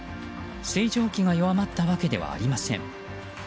水蒸気が弱まったわけではありません。